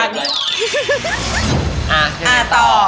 อ่ะยังไงต่ออ่าต่อ